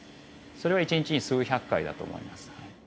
それを１日に数百回だと思います。